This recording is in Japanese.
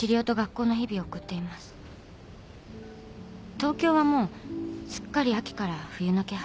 東京はもうすっかり秋から冬の気配。